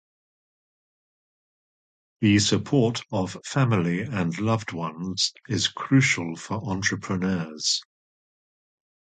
The support of family and loved ones is crucial for entrepreneurs.